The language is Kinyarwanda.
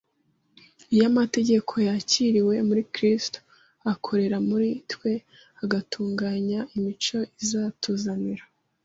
Iyo amategeko yakiriwe muri Kristo, akorera muri twe agatunganya imico izatuzanira